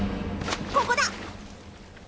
「ここだ！」。